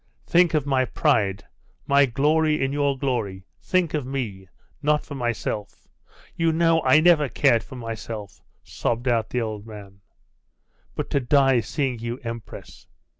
'Think of my pride my glory in your glory; think of me.... Not for myself! You know I never cared for myself!' sobbed out the old man. 'But to die seeing you empress!